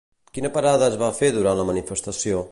Quina parada es va fer durant la manifestació?